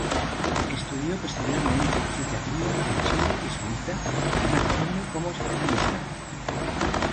Estudió posteriormente Psiquiatría en Chile y Suiza, ejerciendo como especialista.